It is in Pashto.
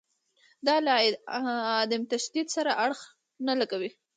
دا له عدم تشدد سره اړخ نه لګوي.